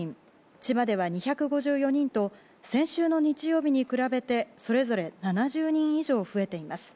千葉では２５４人と先週の日曜日に比べてそれぞれ７０人以上増えています。